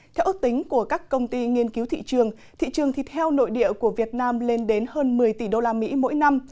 theo ước tính của các công ty nghiên cứu thị trường thị trường thịt heo nội địa của việt nam lên đến hơn một mươi tỷ usd mỗi năm